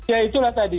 ya itulah tadi